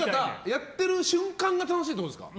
やってる瞬間が楽しいってことですか？